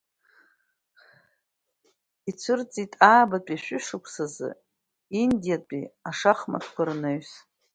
Цәырҵит, аабатәи ашәышықәсазы индиатәи ашахматқәа рнаҩс.